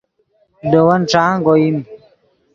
لے ون ݯانگ اوئیم